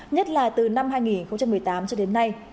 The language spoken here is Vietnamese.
nhất là từ năm hai nghìn một mươi tám cho đến nay